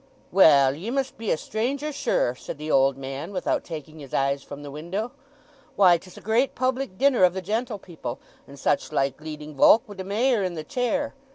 "Well, ye must be a stranger sure," said the old man, without taking his eyes from the window. "Why, 'tis a great public dinner of the gentle people and such like leading volk—wi' the Mayor in the chair.